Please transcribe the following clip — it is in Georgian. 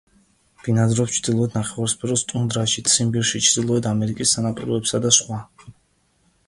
ბინადრობს ჩრდილოეთ ნახევარსფეროს ტუნდრაში; ციმბირში, ჩრდილოეთ ამერიკის სანაპიროებსა და სხვა.